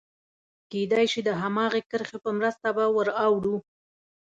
کېدای شي د هماغې کرښې په مرسته به ور اوړو.